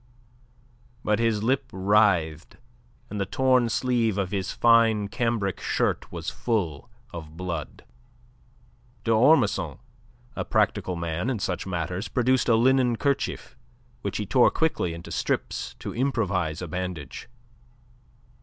But his lip writhed, and the torn sleeve of his fine cambric shirt was full of blood. D'Ormesson, a practical man in such matters, produced a linen kerchief, which he tore quickly into strips to improvise a bandage.